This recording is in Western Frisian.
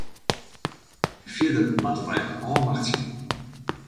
En fierder moatte wy it mar ôfwachtsje.